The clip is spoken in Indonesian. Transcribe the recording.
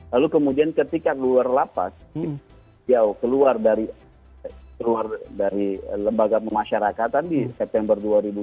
lalu kemudian ketika keluar lapas dia keluar dari lembaga pemasyarakatan di september dua ribu dua puluh